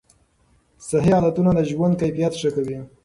صحي عادتونه د ژوند کیفیت ښه کوي.